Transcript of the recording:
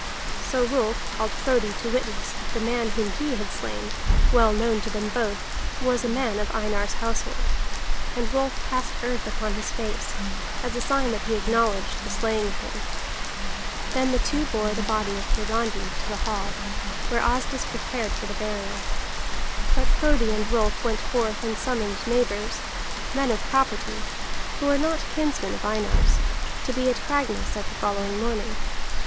So Rolf called Frodi to witness that the man whom he had slain, well known to them both, was a man of Einar's household. And Rolf cast earth upon his face, as a sign that he acknowledged the slaying of him. Then the two bore the body of Hiarandi to the hall, where Asdis prepared for the burial. But Frodi and Rolf went forth and summoned neighbors, men of property, who were not kinsmen of Einar's, to be at Cragness at the following morning.